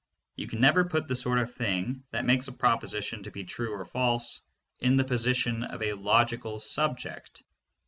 You can never put the sort of thing that makes a proposition to be true or false in the position of a logical subject.